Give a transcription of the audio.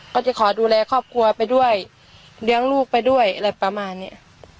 ก็จะขอดูแลครอบครัวไปด้วยเลี้ยงลูกไปด้วยอะไรประมาณเนี้ย